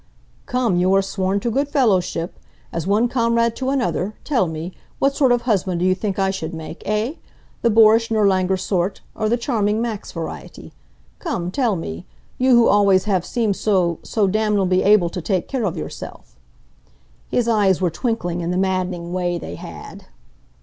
Come, you are sworn to good fellowship. As one comrade to another, tell me, what sort of husband do you think I should make, eh? The boorish Nirlanger sort, or the charming Max variety. Come, tell me you who always have seemed so so damnably able to take care of yourself." His eyes were twinkling in the maddening way they had.